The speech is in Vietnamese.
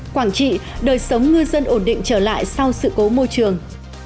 quảng trị đời sống ngư dân ổn định trở lại sau sự cố môi trường